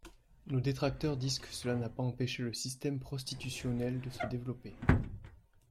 Nos détracteurs disent que cela n’a pas empêché le système prostitutionnel de se développer.